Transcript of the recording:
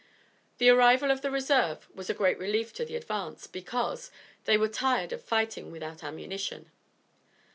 The arrival of the reserve was a great relief to the advance, because, they were tired of fighting without ammunition.